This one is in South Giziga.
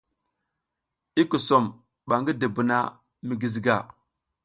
I kusom ba ngi dubuna mi giziga.